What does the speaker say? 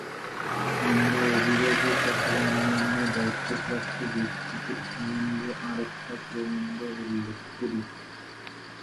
আমরা অভিভাবক অথবা অন্যান্য দায়িত্বপ্রাপ্ত ব্যক্তিদের সম্বন্ধে আরেকটা প্রবন্ধ উল্লেখ করি।